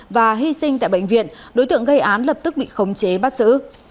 và hy sinh tại bệnh viện đối tượng gây án lập tức bị khống chế bắt xử